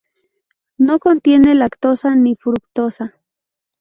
No contiene lactosa ni fructosa.